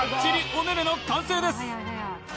おめめの完成です